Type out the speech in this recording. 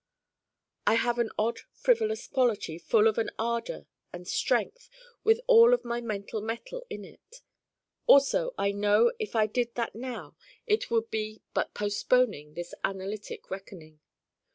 I have an odd frivolous quality full of an ardor and strength, with all of my mental mettle in it. Also I know if I did that now it would be but postponing this analytic reckoning.